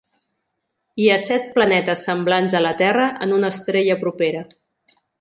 Hi ha set planetes semblants a la Terra en una estrella propera